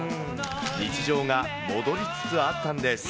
日常が戻りつつあったんです。